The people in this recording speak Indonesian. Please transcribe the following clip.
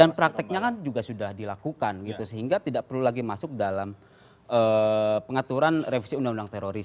dan prakteknya kan juga sudah dilakukan sehingga tidak perlu lagi masuk dalam pengaturan revisi undang undang terorisme